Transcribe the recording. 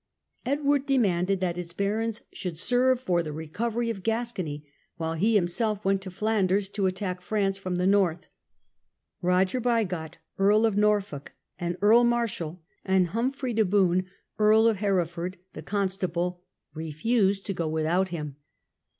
Edward demanded that his barons should Quarrel with serve for the recovery of Gascony, while he him thc barons, gelf went to Flandcrs to attack France from the north. Roger Bigot, Earl of Norfolk and Earl Mar shal, and Humfrey de Bohun, Earl of Hereford, the Con stable, refused to go without him.